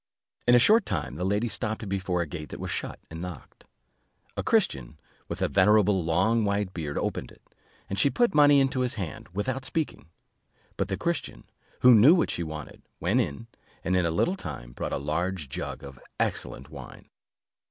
In a short time the lady stopped before a gate that was shut, and knocked: a Christian, with a venerable long white beard, opened it; and she put money into his hand, without speaking; but the Christian, who knew what she wanted, went in, and in a little time, brought a large jug of excellent wine.